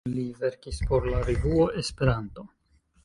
Li verkis por la "revuo Esperanto".